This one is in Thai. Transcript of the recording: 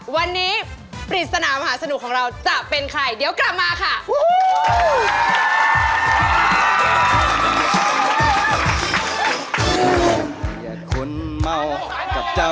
วันนี้ปริศนามหาสนุกของเราจะเป็นใครเดี๋ยวกลับมาค่ะ